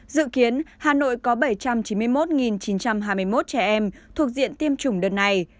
dự kiến hà nội có bảy trăm chín mươi một chín trăm hai mươi một trẻ em thuộc diện tiêm chủng đợt này